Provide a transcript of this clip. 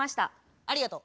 ありがとう。